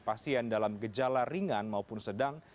pasien dalam gejala ringan maupun sedang